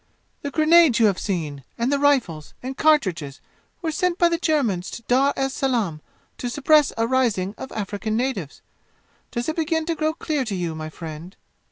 "The grenades you have seen, and the rifles and cartridges were sent by the Germans to Dar es Salaam, to suppress a rising of African natives. Does it begin to grow clear to you, my friend?"